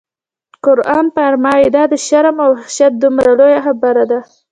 قرآن فرمایي: دا د شرم او وحشت دومره لویه خبره ده.